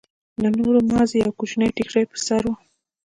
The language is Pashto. د نورو مازې يو کوچنى ټيکرى پر سر و.